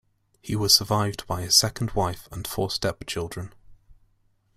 He was survived by his second wife and four step-children.